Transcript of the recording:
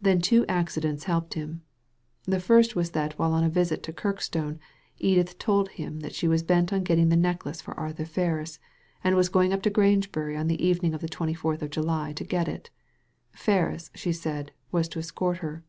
Then two accidents helped him. The first was that while on a visit to Kirkstone, Edith told him that she was bent on getting the necklace for Arthur Ferris, and was going up to Grangebury on the evening of the twenty fourth of July to get it Ferris, she said, was to escort her.